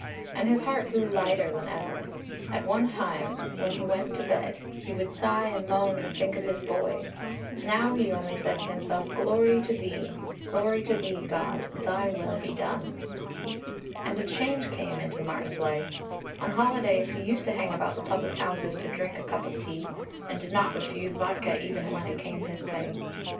And his heart grew lighter than ever. At one time when he went to bed he would sigh and moan and think of his boy; now he only said to himself, "Glory to Thee, glory to Thee, God! Thy will be done!" And a change came into Martin's life. On holidays he used to hang about the public houses to drink a cup of tea and did not refuse vodka even when it came his way.